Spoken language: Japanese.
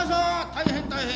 大変大変。